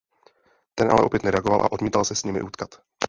Ten ale opět nereagoval a odmítal se s nimi utkat.